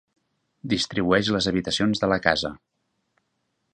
Distribueix les habitacions de la casa.